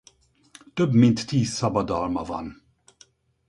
Több mint tíz szabadalma van.